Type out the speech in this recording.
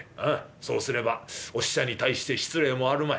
そうすればお使者に対して失礼もあるまい。